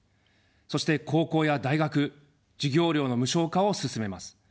そして高校や大学、授業料の無償化を進めます。